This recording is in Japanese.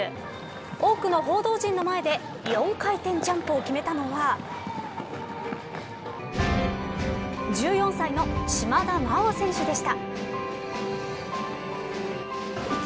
多くの報道陣の前で４回転ジャンプを決めたのは１４歳の島田麻央選手でした。